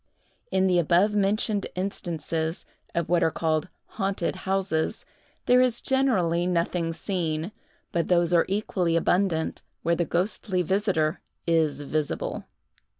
In the abovementioned instances, of what are called haunted houses, there is generally nothing seen; but those are equally abundant where the ghostly visiter is visible.